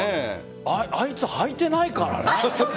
あいつ、はいてないからね。